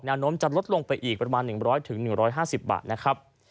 แนะนมจะลดลงไปอีกประมาณหนึ่งร้อยถึงหนึ่งร้อยห้าสิบบาทนะครับ